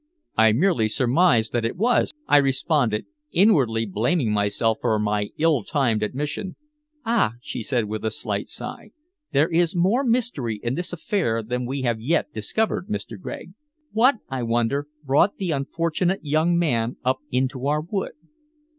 "I merely surmised that it was," I responded, inwardly blaming myself for my ill timed admission. "Ah!" she said with a slight sigh, "there is more mystery in this affair than we have yet discovered, Mr. Gregg. What, I wonder, brought the unfortunate young man up into our wood?"